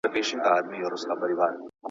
راتلونکی تل د بدلون په حال کي دی.